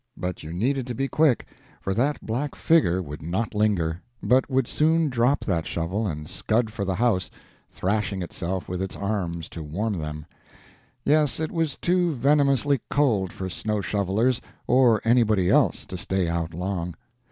But you needed to be quick, for that black figure would not linger, but would soon drop that shovel and scud for the house, thrashing itself with its arms to warm them. Yes, it was too venomously cold for snow shovelers or anybody else to stay out long.